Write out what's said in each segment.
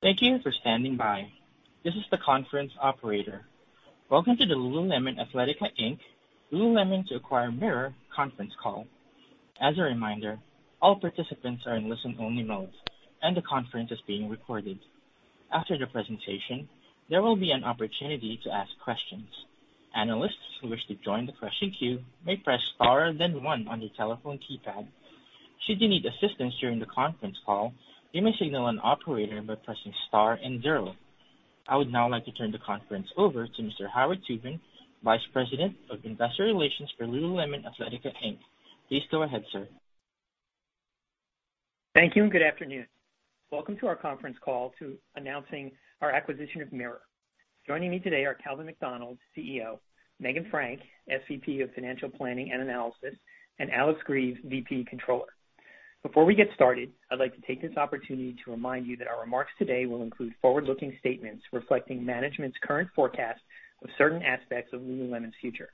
Thank you for standing by. This is the conference operator. Welcome to the Lululemon Athletica Inc., Lululemon to Acquire MIRROR Conference Call. As a reminder, all participants are in listen-only mode, and the conference is being recorded. After the presentation, there will be an opportunity to ask questions. Analysts who wish to join the question queue may press star then one on their telephone keypad. Should you need assistance during the conference call, you may signal an operator by pressing star and zero. I would now like to turn the conference over to Mr. Howard Tubin, Vice President of Investor Relations for Lululemon Athletica Inc. Please go ahead, sir. Thank you and good afternoon. Welcome to our conference call to announcing our acquisition of MIRROR. Joining me today are Calvin McDonald, CEO, Meghan Frank, SVP of Financial Planning and Analysis, and Alex Grieve, VP Controller. Before we get started, I'd like to take this opportunity to remind you that our remarks today will include forward-looking statements reflecting management's current forecast of certain aspects of Lululemon's future.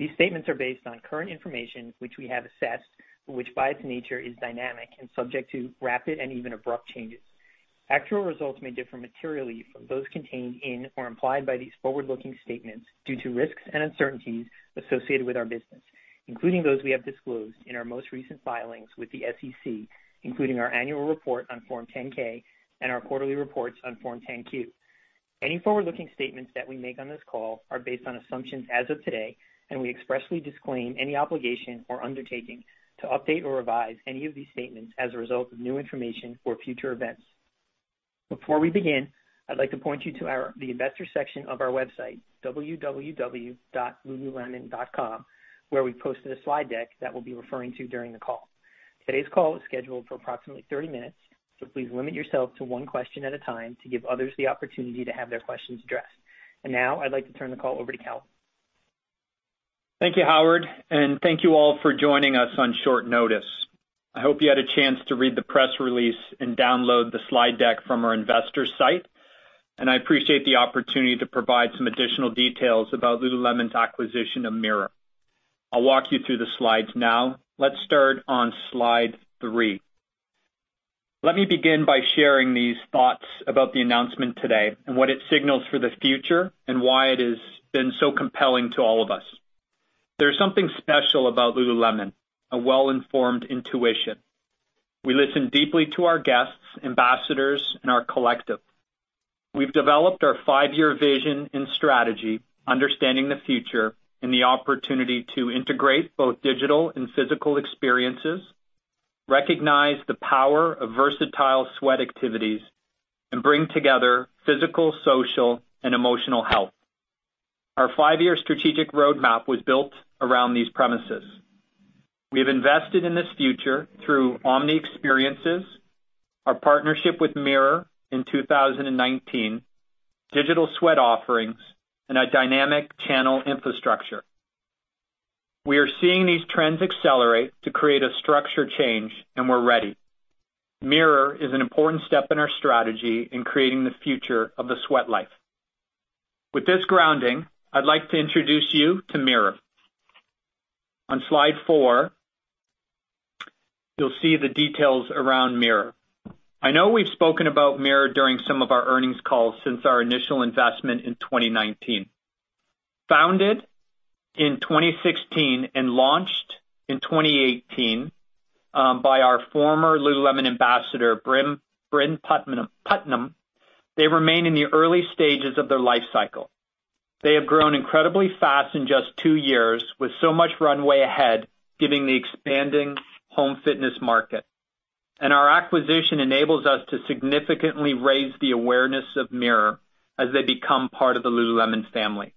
These statements are based on current information, which we have assessed, but which by its nature is dynamic and subject to rapid and even abrupt changes. Actual results may differ materially from those contained in or implied by these forward-looking statements due to risks and uncertainties associated with our business, including those we have disclosed in our most recent filings with the SEC, including our annual report on Form 10-K and our quarterly reports on Form 10-Q. Any forward-looking statements that we make on this call are based on assumptions as of today, and we expressly disclaim any obligation or undertaking to update or revise any of these statements as a result of new information or future events. Before we begin, I'd like to point you to the investor section of our website, www.lululemon.com, where we posted a slide deck that we'll be referring to during the call. Today's call is scheduled for approximately 30 minutes. Please limit yourself to one question at a time to give others the opportunity to have their questions addressed. Now I'd like to turn the call over to Cal. Thank you, Howard, and thank you all for joining us on short notice. I hope you had a chance to read the press release and download the slide deck from our investors site, and I appreciate the opportunity to provide some additional details about Lululemon's acquisition of MIRROR. I'll walk you through the slides now. Let's start on slide 3. Let me begin by sharing these thoughts about the announcement today and what it signals for the future and why it has been so compelling to all of us. There's something special about Lululemon, a well-informed intuition. We listen deeply to our guests, ambassadors, and our collective. We've developed our five-year vision and strategy, understanding the future and the opportunity to integrate both digital and physical experiences, recognize the power of versatile sweat activities, and bring together physical, social, and emotional health. Our five-year strategic roadmap was built around these premises. We have invested in this future through omni experiences, our partnership with MIRROR in 2019, digital sweat offerings, and a dynamic channel infrastructure. We are seeing these trends accelerate to create a structure change, and we're ready. MIRROR is an important step in our strategy in creating the future of the sweat life. With this grounding, I'd like to introduce you to MIRROR. On slide 4, you'll see the details around MIRROR. I know we've spoken about MIRROR during some of our earnings calls since our initial investment in 2019. Founded in 2016 and launched in 2018, by our former Lululemon ambassador, Brynn Putnam, they remain in the early stages of their life cycle. They have grown incredibly fast in just two years with so much runway ahead, giving the expanding home fitness market. Our acquisition enables us to significantly raise the awareness of MIRROR as they become part of the Lululemon family.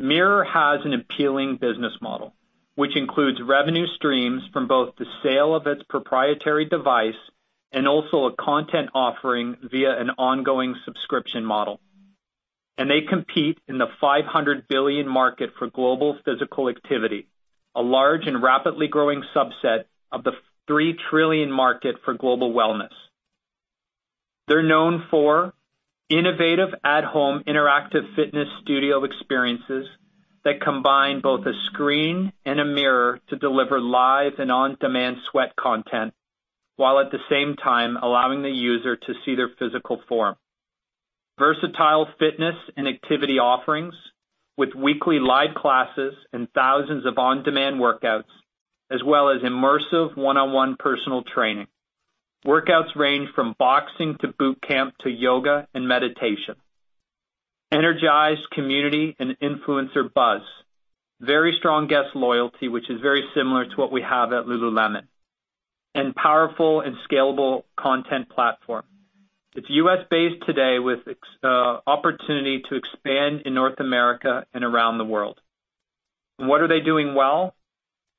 MIRROR has an appealing business model, which includes revenue streams from both the sale of its proprietary device and also a content offering via an ongoing subscription model. They compete in the $500 billion market for global physical activity, a large and rapidly growing subset of the $3 trillion market for global wellness. They're known for innovative at home interactive fitness studio experiences that combine both a screen and a mirror to deliver live and on-demand sweat content, while at the same time allowing the user to see their physical form. Versatile fitness and activity offerings with weekly live classes and thousands of on-demand workouts, as well as immersive one-on-one personal training. Workouts range from boxing to boot camp to yoga and meditation. Energized community and influencer buzz. Very strong guest loyalty, which is very similar to what we have at Lululemon. Powerful and scalable content platform. It's U.S.-based today with opportunity to expand in North America and around the world. What are they doing well?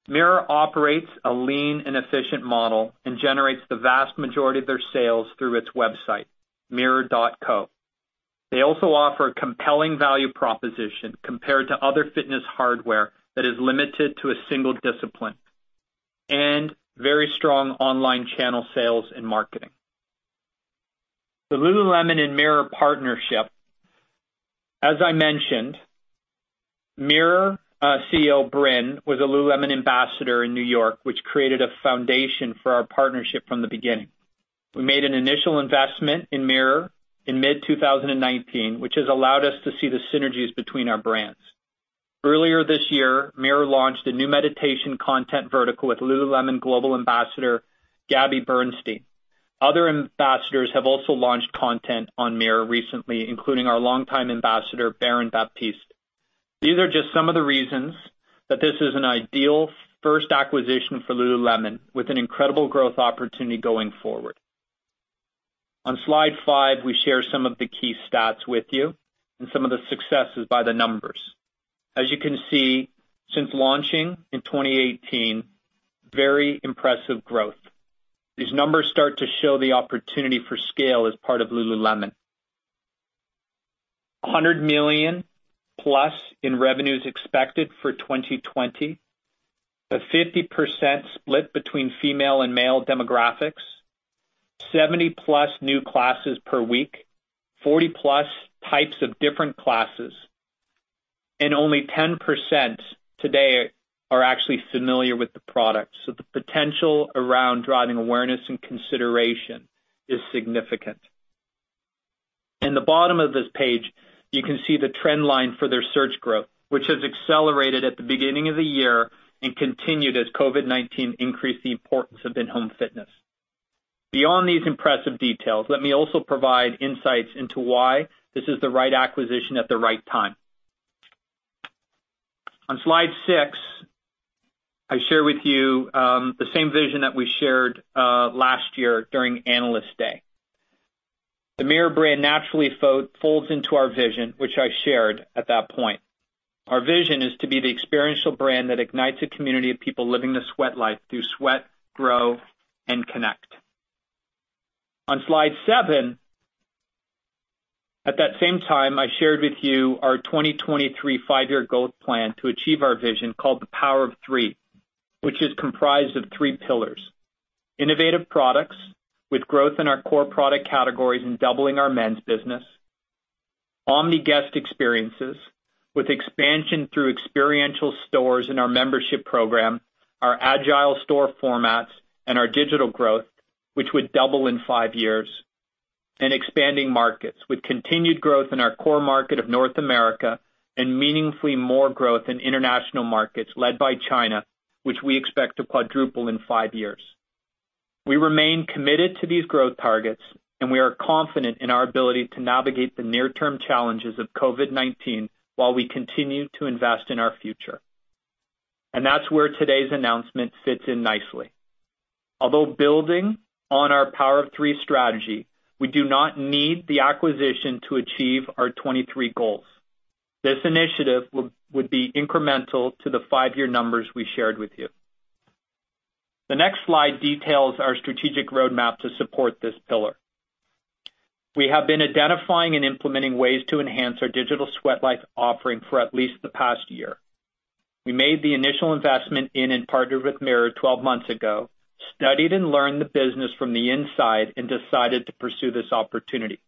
MIRROR operates a lean and efficient model and generates the vast majority of their sales through its website, mirror.co. They also offer a compelling value proposition compared to other fitness hardware that is limited to a single discipline, and very strong online channel sales and marketing. The Lululemon and MIRROR partnership. As I mentioned, MIRROR CEO, Brynn, was a Lululemon ambassador in New York, which created a foundation for our partnership from the beginning. We made an initial investment in MIRROR in mid-2019, which has allowed us to see the synergies between our brands. Earlier this year, MIRROR launched a new meditation content vertical with Lululemon Global Ambassador, Gabby Bernstein. Other ambassadors have also launched content on MIRROR recently, including our longtime ambassador, Baron Baptiste. These are just some of the reasons that this is an ideal first acquisition for Lululemon, with an incredible growth opportunity going forward. On slide 5, we share some of the key stats with you and some of the successes by the numbers. As you can see, since launching in 2018, very impressive growth. These numbers start to show the opportunity for scale as part of Lululemon. $100 million plus in revenues expected for 2020. A 50% split between female and male demographics. 70+ new classes per week. 40+ types of different classes, only 10% today are actually familiar with the product. The potential around driving awareness and consideration is significant. In the bottom of this page, you can see the trend line for their search growth, which has accelerated at the beginning of the year and continued as COVID-19 increased the importance of in-home fitness. Beyond these impressive details, let me also provide insights into why this is the right acquisition at the right time. On slide 6, I share with you the same vision that we shared last year during Analyst Day. The MIRROR brand naturally folds into our vision, which I shared at that point. Our vision is to be the experiential brand that ignites a community of people living the sweat life through sweat, grow, and connect. On slide 7, at that same time, I shared with you our 2023 five-year goal plan to achieve our vision, called The Power of Three, which is comprised of three pillars. Innovative products with growth in our core product categories and doubling our men's business. Omni guest experiences with expansion through experiential stores in our membership program, our agile store formats, and our digital growth, which would double in five years. Expanding markets with continued growth in our core market of North America and meaningfully more growth in international markets, led by China, which we expect to quadruple in five years. We remain committed to these growth targets, and we are confident in our ability to navigate the near-term challenges of COVID-19 while we continue to invest in our future. That's where today's announcement fits in nicely. Although building on our Power of Three strategy, we do not need the acquisition to achieve our 2023 goals. This initiative would be incremental to the five-year numbers we shared with you. The next slide details our strategic roadmap to support this pillar. We have been identifying and implementing ways to enhance our digital sweat life offering for at least the past year. We made the initial investment in and partnered with MIRROR 12 months ago, studied and learned the business from the inside, and decided to pursue this opportunity.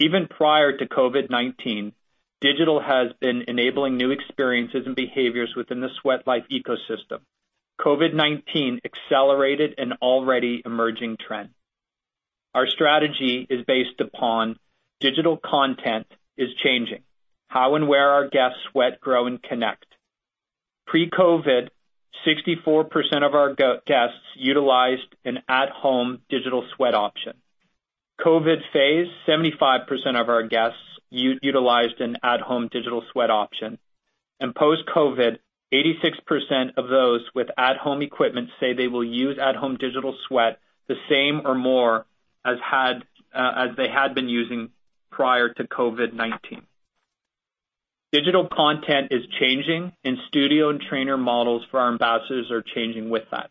Even prior to COVID-19, digital has been enabling new experiences and behaviors within the sweat life ecosystem. COVID-19 accelerated an already emerging trend. Our strategy is based upon digital content is changing how and where our guests sweat, grow, and connect. Pre-COVID, 64% of our guests utilized an at-home digital sweat option. COVID phase, 75% of our guests utilized an at-home digital sweat option. Post-COVID, 86% of those with at-home equipment say they will use at-home digital sweat the same or more as they had been using prior to COVID-19. Digital content is changing, and studio and trainer models for our ambassadors are changing with that.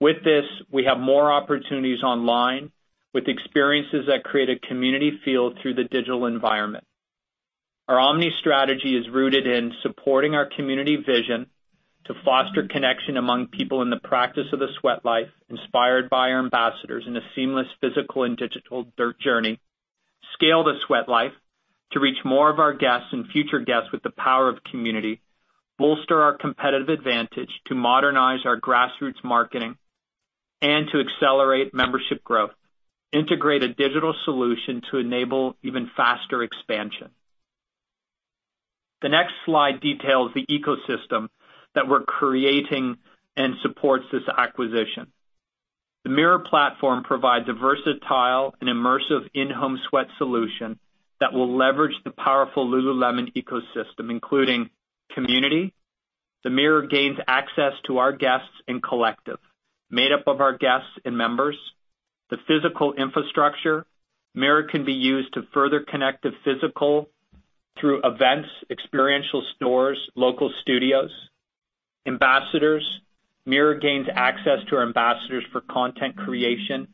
With this, we have more opportunities online with experiences that create a community feel through the digital environment. Our omni strategy is rooted in supporting our community vision to foster connection among people in the practice of the sweat life, inspired by our ambassadors in a seamless physical and digital journey. Scale the sweat life to reach more of our guests and future guests with the power of community. Bolster our competitive advantage to modernize our grassroots marketing and to accelerate membership growth. Integrate digital solution to enable even faster expansion. The next slide details the ecosystem that we're creating and supports this acquisition. The MIRROR platform provides a versatile and immersive in-home sweat solution that will leverage the powerful Lululemon ecosystem, including community. The MIRROR gains access to our guests and collective, made up of our guests and members. The physical infrastructure. MIRROR can be used to further connect the physical through events, experiential stores, local studios. Ambassadors. MIRROR gains access to our ambassadors for content creation,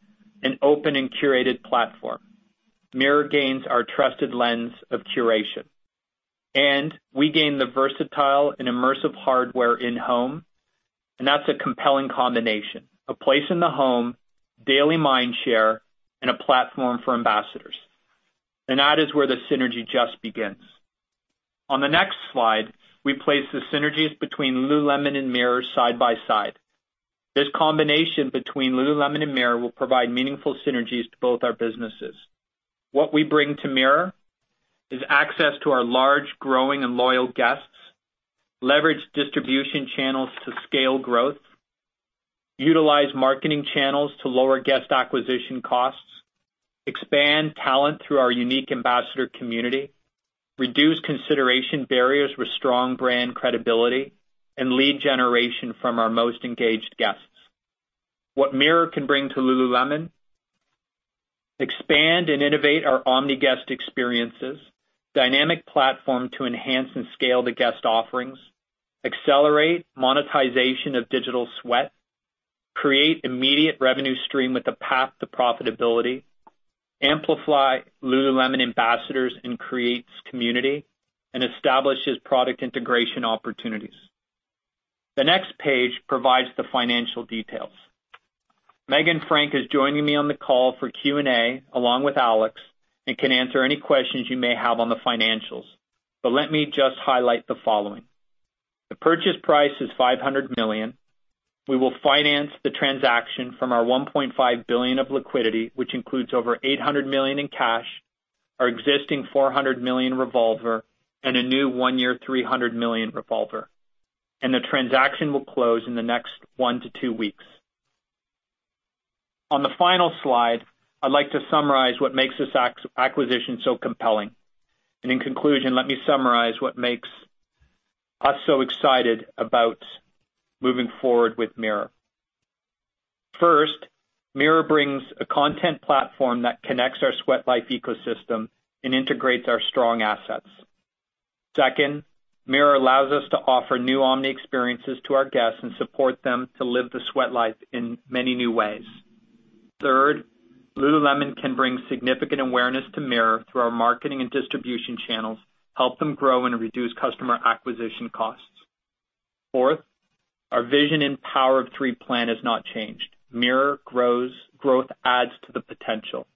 an open and curated platform. MIRROR gains our trusted lens of curation, and we gain the versatile and immersive hardware in-home. That's a compelling combination, a place in the home, daily mind share, and a platform for ambassadors. That is where the synergy just begins. On the next slide, we place the synergies between Lululemon and MIRROR side by side. This combination between Lululemon and MIRROR will provide meaningful synergies to both our businesses. What we bring to MIRROR is access to our large, growing and loyal guests, leverage distribution channels to scale growth, utilize marketing channels to lower guest acquisition costs, expand talent through our unique ambassador community, reduce consideration barriers with strong brand credibility, and lead generation from our most engaged guests. What MIRROR can bring to Lululemon, expand and innovate our omni guest experiences, dynamic platform to enhance and scale the guest offerings, accelerate monetization of digital sweat, create immediate revenue stream with a path to profitability, amplify Lululemon ambassadors and creates community, establishes product integration opportunities. The next page provides the financial details. Meghan Frank is joining me on the call for Q&A along with Alex, can answer any questions you may have on the financials. Let me just highlight the following. The purchase price is $500 million. We will finance the transaction from our $1.5 billion of liquidity, which includes over $800 million in cash, our existing $400 million revolver, and a new one-year $300 million revolver. The transaction will close in the next one to two weeks. On the final slide, I'd like to summarize what makes this acquisition so compelling. In conclusion, let me summarize what makes us so excited about moving forward with MIRROR. First, MIRROR brings a content platform that connects our sweat life ecosystem and integrates our strong assets. Second, MIRROR allows us to offer new omni experiences to our guests and support them to live the sweat life in many new ways. Third, Lululemon can bring significant awareness to MIRROR through our marketing and distribution channels, help them grow and reduce customer acquisition costs. Fourth, our vision and Power of Three plan has not changed. MIRROR growth adds to the potential.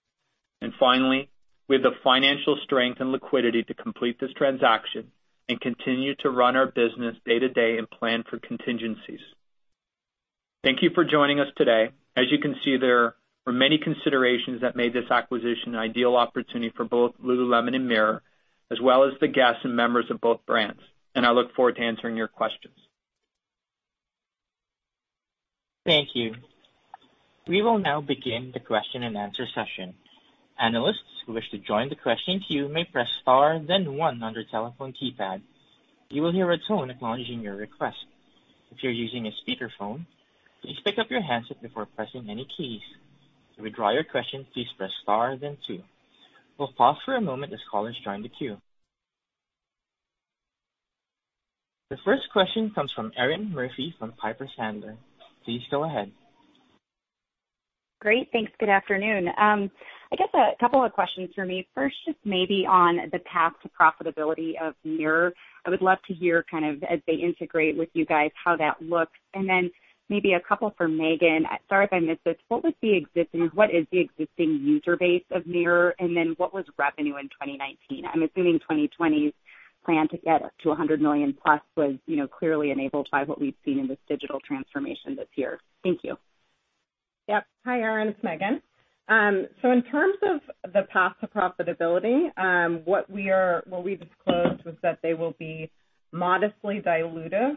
Finally, we have the financial strength and liquidity to complete this transaction and continue to run our business day to day and plan for contingencies. Thank you for joining us today. As you can see, there were many considerations that made this acquisition an ideal opportunity for both Lululemon and MIRROR, as well as the guests and members of both brands. I look forward to answering your questions. Thank you. We will now begin the question and answer session. Analysts who wish to join the questioning queue may press Star then one on their telephone keypad. You will hear a tone acknowledging your request. If you're using a speakerphone, please pick up your handset before pressing any keys. To withdraw your question, please press Star then two. We'll pause for a moment as callers join the queue. The first question comes from Erinn Murphy from Piper Sandler. Please go ahead. Great. Thanks. Good afternoon. I guess a couple of questions for me. First, just maybe on the path to profitability of MIRROR. I would love to hear kind of as they integrate with you guys, how that looks. Then maybe a couple for Meghan. Sorry if I missed this, what is the existing user base of MIRROR? Then what was revenue in 2019? I'm assuming 2020's plan to get to 100+ million was clearly enabled by what we've seen in this digital transformation this year. Thank you. Yep. Hi, Erinn. It's Meghan. In terms of the path to profitability, what we've disclosed was that they will be modestly dilutive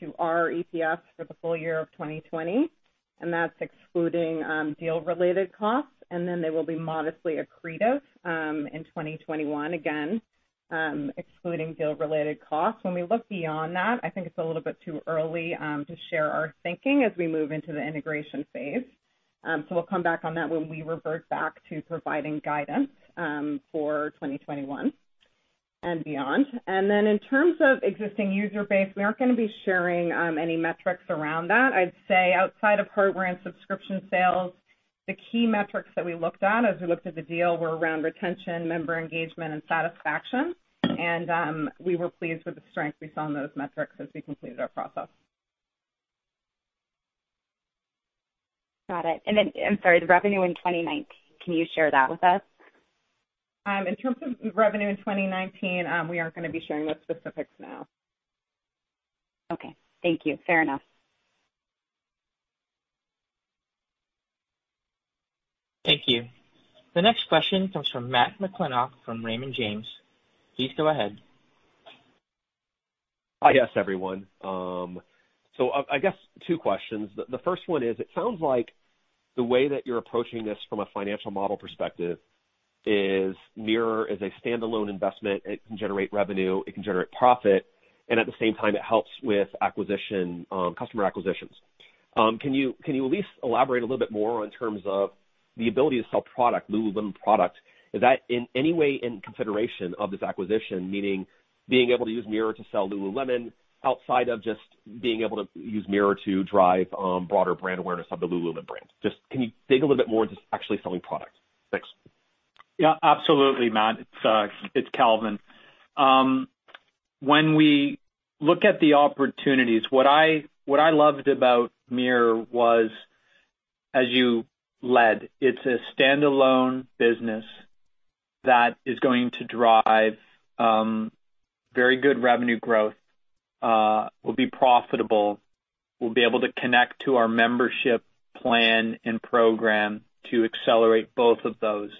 to our EPS for the full year of 2020, and that's excluding deal-related costs. They will be modestly accretive in 2021, again, excluding deal-related costs. When we look beyond that, I think it's a little bit too early to share our thinking as we move into the integration phase. We'll come back on that when we revert back to providing guidance for 2021 and beyond. In terms of existing user base, we aren't gonna be sharing any metrics around that. I'd say outside of program subscription sales, the key metrics that we looked at as we looked at the deal were around retention, member engagement, and satisfaction. We were pleased with the strength we saw in those metrics as we completed our process. Got it. I'm sorry, the revenue in 2019, can you share that with us? In terms of revenue in 2019, we aren't gonna be sharing those specifics now. Okay. Thank you. Fair enough. Thank you. The next question comes from Matt McClintock from Raymond James. Please go ahead. Hi. Yes, everyone. I guess two questions. The first one is, it sounds like the way that you're approaching this from a financial model perspective is MIRROR is a standalone investment. It can generate revenue, it can generate profit, and at the same time, it helps with customer acquisitions. Can you at least elaborate a little bit more on terms of the ability to sell product, Lululemon product? Is that in any way in consideration of this acquisition, meaning being able to use MIRROR to sell Lululemon outside of just being able to use MIRROR to drive broader brand awareness of the Lululemon brand? Just can you dig a little bit more into actually selling product? Thanks. Yeah, absolutely, Matt. It's Calvin. When we look at the opportunities, what I loved about MIRROR was, as you led, it's a standalone business that is going to drive very good revenue growth, will be profitable, will be able to connect to our membership plan and program to accelerate both of those.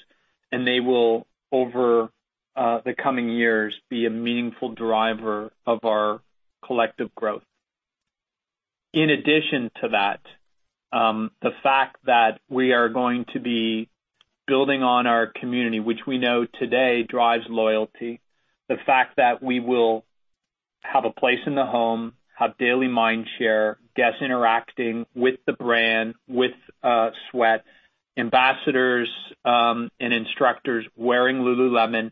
They will, over the coming years, be a meaningful driver of our collective growth. In addition to that, the fact that we are going to be building on our community, which we know today drives loyalty. The fact that we will have a place in the home, have daily mind share, guests interacting with the brand, with sweat, ambassadors, and instructors wearing Lululemon,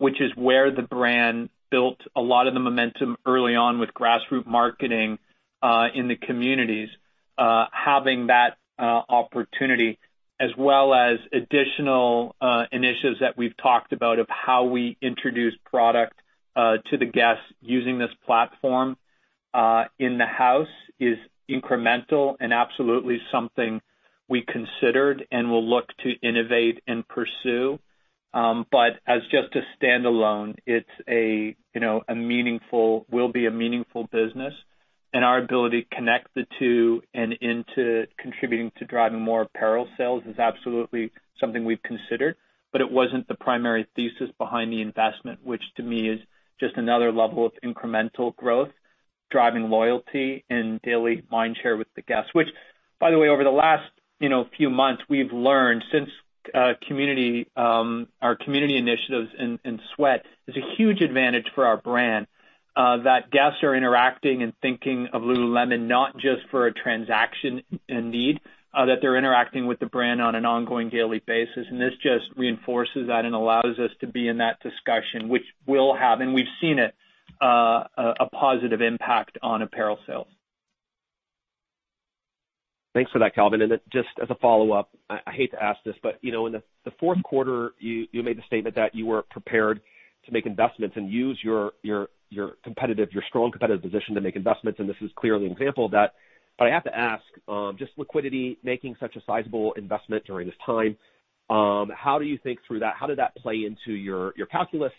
which is where the brand built a lot of the momentum early on with grassroots marketing, in the communities, having that opportunity, as well as additional initiatives that we've talked about of how we introduce product to the guests using this platform in the house is incremental and absolutely something we considered and will look to innovate and pursue. As just a standalone, it will be a meaningful business, and our ability to connect the two and into contributing to driving more apparel sales is absolutely something we've considered. It wasn't the primary thesis behind the investment, which to me is just another level of incremental growth, driving loyalty and daily mind share with the guests, which by the way, over the last few months, we've learned since our community initiatives in sweat life is a huge advantage for our brand that guests are interacting and thinking of Lululemon not just for a transaction and need, that they're interacting with the brand on an ongoing daily basis. This just reinforces that and allows us to be in that discussion, which will have, and we've seen it, a positive impact on apparel sales. Thanks for that, Calvin. Just as a follow-up, I hate to ask this, but in the fourth quarter, you made the statement that you were prepared to make investments and use your strong competitive position to make investments, and this is clearly an example of that. I have to ask, just liquidity, making such a sizable investment during this time, how do you think through that? How did that play into your calculus,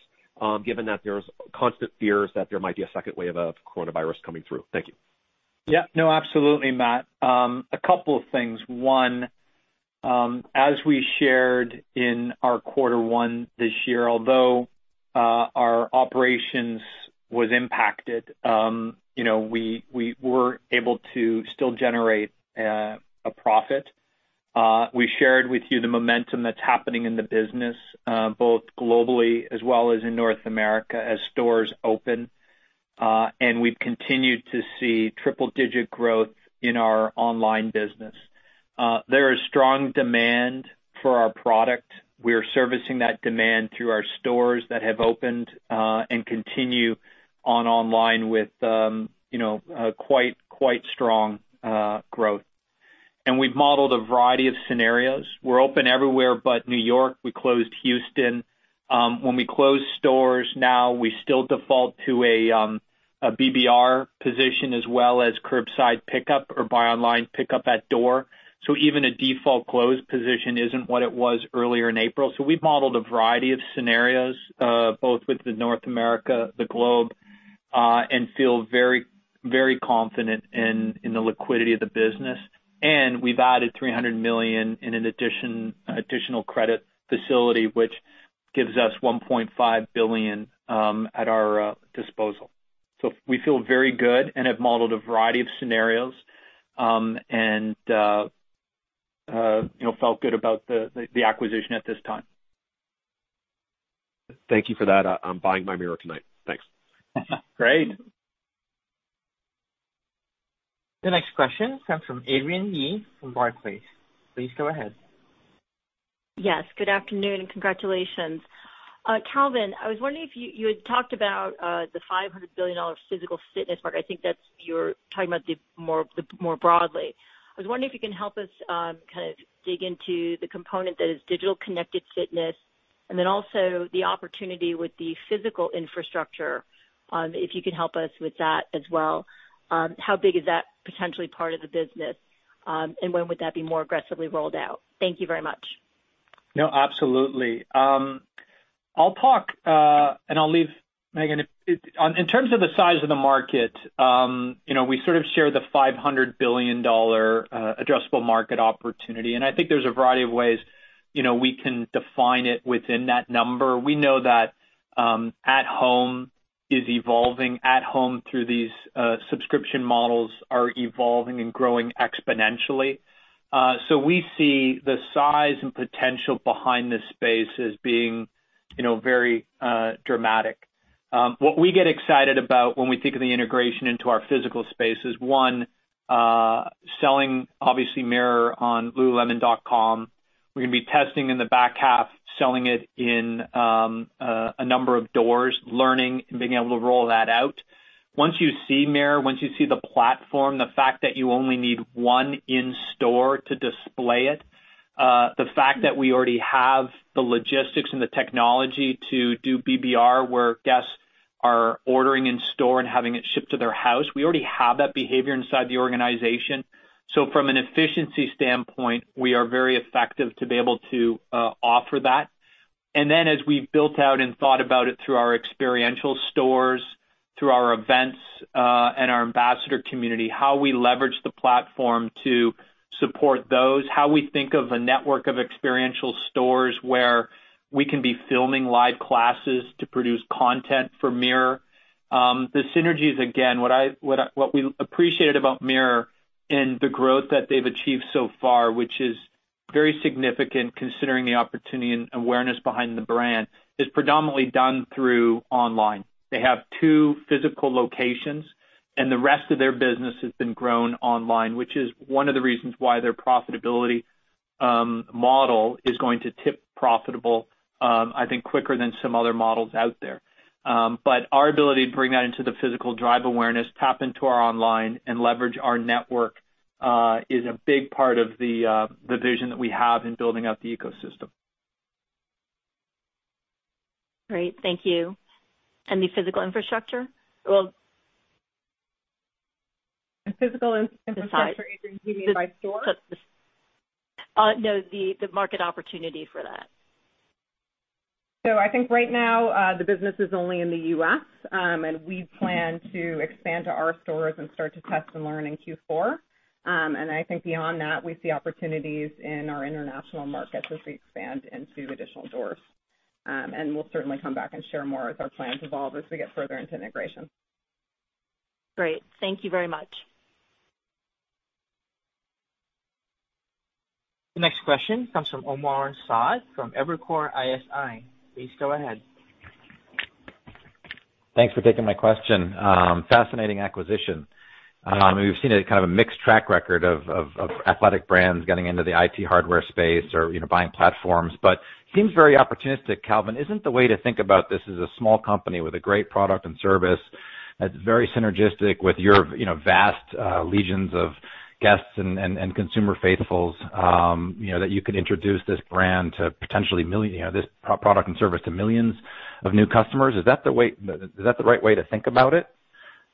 given that there's constant fears that there might be a second wave of coronavirus coming through? Thank you. Yeah. No, absolutely, Matt. A couple of things. One, as we shared in our quarter one this year, although our operations was impacted, we were able to still generate a profit. We shared with you the momentum that's happening in the business, both globally as well as in North America as stores open. We've continued to see triple digit growth in our online business. There is strong demand for our product. We are servicing that demand through our stores that have opened, and continue on online with quite strong growth. We've modeled a variety of scenarios. We're open everywhere but New York, and we closed Houston. When we close stores now, we still default to a BOPUS position as well as curbside pickup or buy online pickup at door. Even a default closed position isn't what it was earlier in April. We've modeled a variety of scenarios, both with North America, the globe, and feel very confident in the liquidity of the business. We've added $300 million in an additional credit facility, which gives us $1.5 billion at our disposal. We feel very good and have modeled a variety of scenarios, and felt good about the acquisition at this time. Thank you for that. I'm buying my MIRROR tonight. Thanks. Great. The next question comes from Adrienne Yih from Barclays. Please go ahead. Yes. Good afternoon, and congratulations. Calvin, you had talked about the $500 billion physical fitness part. I think that you're talking about more broadly. I was wondering if you can help us dig into the component that is digital connected fitness, and then also the opportunity with the physical infrastructure, if you could help us with that as well. How big is that potentially part of the business? When would that be more aggressively rolled out? Thank you very much. No, absolutely. I'll talk, and I'll leave Meghan. In terms of the size of the market, we sort of shared the $500 billion addressable market opportunity, and I think there's a variety of ways we can define it within that number. We know that at home is evolving. At home through these subscription models are evolving and growing exponentially. We see the size and potential behind this space as being very dramatic. What we get excited about when we think of the integration into our physical space is one, selling obviously MIRROR on lululemon.com. We're gonna be testing in the back half, selling it in a number of doors, learning and being able to roll that out. Once you see MIRROR, once you see the platform, the fact that you only need one in store to display it, the fact that we already have the logistics and the technology to do BOPUS where guests are ordering in store and having it shipped to their house. We already have that behavior inside the organization. From an efficiency standpoint, we are very effective to be able to offer that. As we've built out and thought about it through our experiential stores, through our events, and our ambassador community, how we leverage the platform to support those, how we think of a network of experiential stores where we can be filming live classes to produce content for MIRROR. The synergies, again, what we appreciated about MIRROR and the growth that they've achieved so far, which is very significant considering the opportunity and awareness behind the brand, is predominantly done through online. They have two physical locations, and the rest of their business has been grown online, which is one of the reasons why their profitability model is going to tip profitable, I think, quicker than some other models out there. Our ability to bring that into the physical drive awareness, tap into our online, and leverage our network, is a big part of the vision that we have in building out the ecosystem. Great. Thank you. The physical infrastructure? Well, the physical infrastructure, do you mean by stores? No, the market opportunity for that. I think right now, the business is only in the U.S., and we plan to expand to our stores and start to test and learn in Q4. I think beyond that, we see opportunities in our international markets as we expand into additional stores. We'll certainly come back and share more as our plans evolve as we get further into integration. Great. Thank you very much. The next question comes from Omar Saad from Evercore ISI. Please go ahead. Thanks for taking my question. Fascinating acquisition. We've seen a kind of a mixed track record of athletic brands getting into the IT hardware space or buying platforms, but seems very opportunistic. Calvin, isn't the way to think about this as a small company with a great product and service that's very synergistic with your vast legions of guests and consumer faithfuls, that you could introduce this brand to potentially this product and service to millions of new customers? Is that the right way to think about it?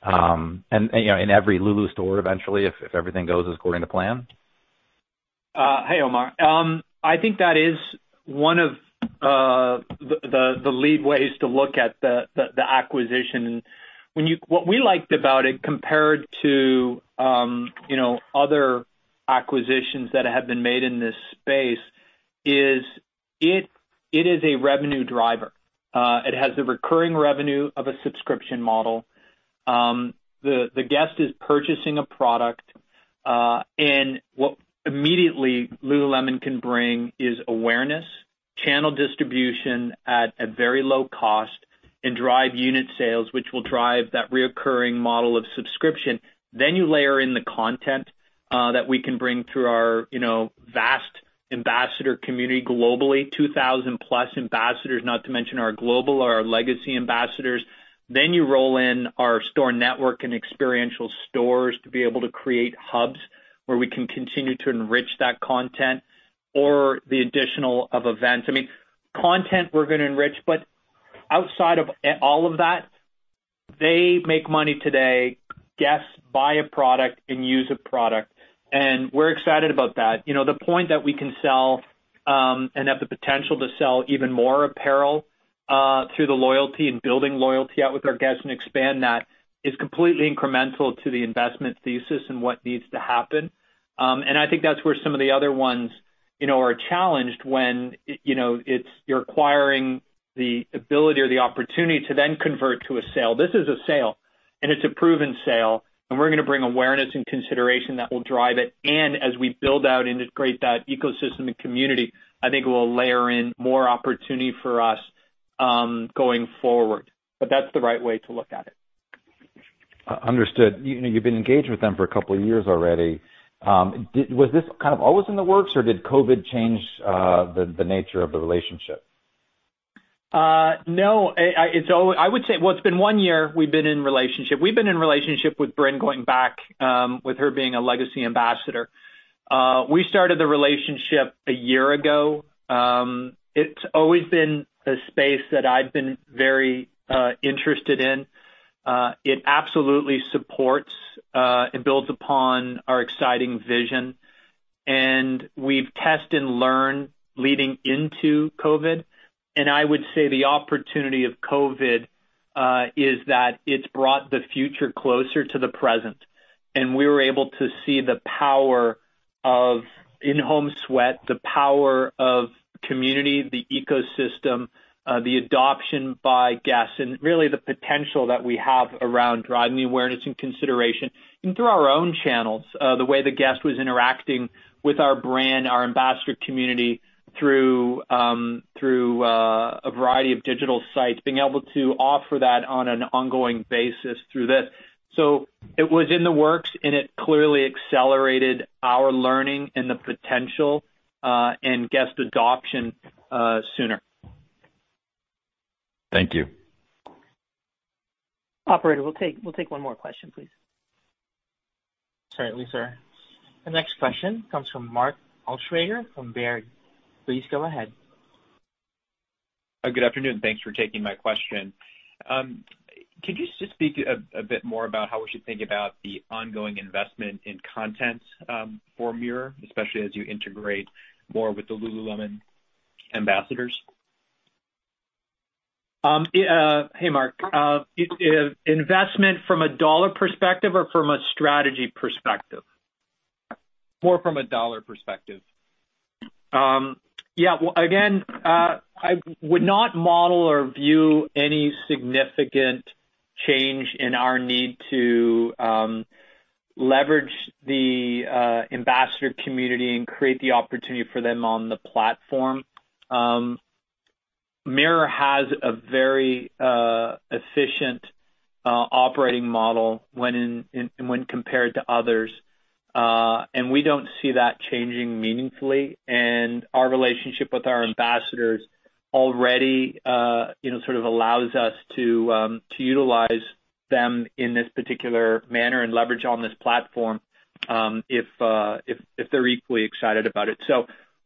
And in every Lulu store eventually, if everything goes according to plan? Hey, Omar. I think that is one of the lead ways to look at the acquisition. What we liked about it compared to other acquisitions that have been made in this space is, it is a revenue driver. It has the recurring revenue of a subscription model. The guest is purchasing a product, and what immediately Lululemon can bring is awareness, channel distribution at a very low cost, and drive unit sales, which will drive that reoccurring model of subscription. You layer in the content, that we can bring through our vast ambassador community globally, 2,000+ ambassadors, not to mention our global or our legacy ambassadors. You roll in our store network and experiential stores to be able to create hubs where we can continue to enrich that content or the additional of events. Content we're going to enrich, but outside of all of that, they make money today. Guests buy a product and use a product, and we're excited about that. The point that we can sell, and have the potential to sell even more apparel, through the loyalty and building loyalty out with our guests and expand that is completely incremental to the investment thesis and what needs to happen. I think that's where some of the other ones are challenged when you're acquiring the ability or the opportunity to then convert to a sale. This is a sale, and it's a proven sale, and we're going to bring awareness and consideration that will drive it. As we build out, integrate that ecosystem and community, I think it will layer in more opportunity for us going forward. That's the right way to look at it. Understood. You've been engaged with them for a couple of years already. Was this kind of always in the works, or did COVID change the nature of the relationship? No. I would say, well, it's been one year we've been in relationship. We've been in relationship with Brynn going back, with her being a legacy ambassador. We started the relationship a year ago. It's always been a space that I've been very interested in. It absolutely supports, and builds upon our exciting vision, and we've test and learn leading into COVID-19. I would say the opportunity of COVID-19, is that it's brought the future closer to the present, and we were able to see the power of in-home sweat, the power of community, the ecosystem, the adoption by guests, and really the potential that we have around driving the awareness and consideration. Through our own channels, the way the guest was interacting with our brand, our ambassador community through a variety of digital sites, being able to offer that on an ongoing basis through this. It was in the works, and it clearly accelerated our learning and the potential, and guest adoption sooner. Thank you. Operator, we'll take one more question, please. Sorry, Lisa. The next question comes from Mark Altschwager from Baird. Please go ahead. Good afternoon. Thanks for taking my question. Could you just speak a bit more about how we should think about the ongoing investment in content for MIRROR, especially as you integrate more with the Lululemon ambassadors? Hey, Mark. Investment from a dollar perspective or from a strategy perspective? More from a dollar perspective. Yeah. Well, again, I would not model or view any significant change in our need to leverage the ambassador community and create the opportunity for them on the platform. MIRROR has a very efficient operating model when compared to others, and we don't see that changing meaningfully. Our relationship with our ambassadors already sort of allows us to utilize them in this particular manner and leverage on this platform, if they're equally excited about it.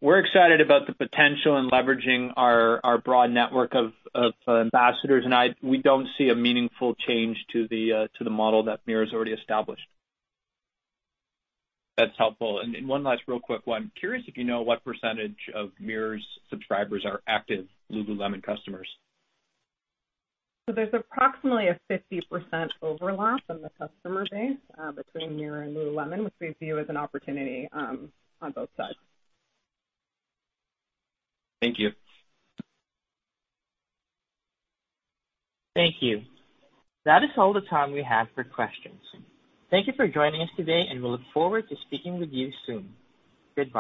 We're excited about the potential in leveraging our broad network of ambassadors, and we don't see a meaningful change to the model that MIRROR's already established. That's helpful. One last real quick one. Curious if you know what percentage of MIRROR's subscribers are active Lululemon customers. There's approximately a 50% overlap in the customer base between MIRROR and Lululemon, which we view as an opportunity on both sides. Thank you. Thank you. That is all the time we have for questions. Thank you for joining us today, and we look forward to speaking with you soon. Goodbye.